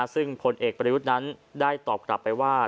ซึ่งพลเอกประยุทธ์นั้นได้ตอบกลับไปว่า